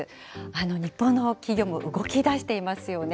日本の企業も動きだしていますよね。